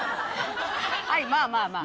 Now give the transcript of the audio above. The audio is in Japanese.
はいまあまあまあ。